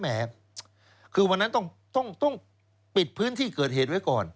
แหมคือวันนั้นต้องปิดพื้นที่เกิดเหตุไว้ก่อน